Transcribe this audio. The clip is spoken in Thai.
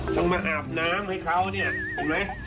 ต้องมาอาบน้ำให้เขาเนี่ยเห็นไหม